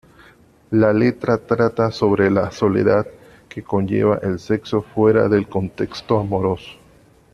La letra trata sobre la soledad que conlleva el sexo fuera del contexto amoroso.